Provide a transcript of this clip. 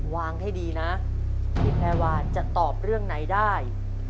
ให้ดีนะพี่แพรวานจะตอบเรื่องไหนได้